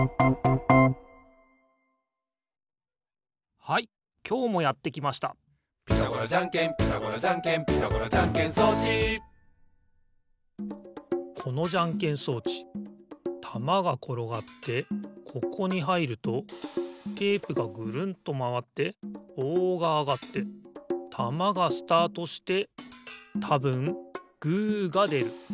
はいきょうもやってきました「ピタゴラじゃんけんピタゴラじゃんけん」「ピタゴラじゃんけん装置」このじゃんけん装置たまがころがってここにはいるとテープがぐるんとまわってぼうがあがってたまがスタートしてたぶんグーがでる。